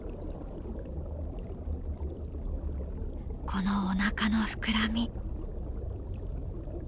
このおなかの膨らみ。